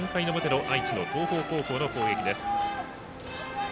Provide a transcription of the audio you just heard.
４回の表の愛知の東邦高校の攻撃です。